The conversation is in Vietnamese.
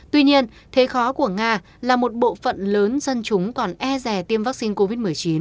tuy nhiên thế khó của nga là một bộ phận lớn dân chúng còn e rè tiêm vaccine covid một mươi chín